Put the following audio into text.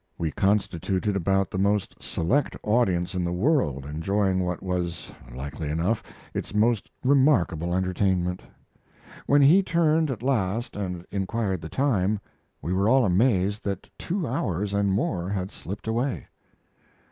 We constituted about the most select audience in the world enjoying what was, likely enough, its most remarkable entertainment. When he turned at last and inquired the time we were all amazed that two hours and more had slipped away.